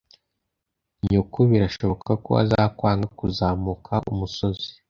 nyoko birashoboka ko azakwanga kuzamuka umusozi